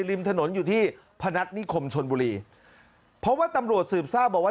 ริมถนนอยู่ที่พนัฐนิคมชนบุรีเพราะว่าตำรวจสืบทราบบอกว่า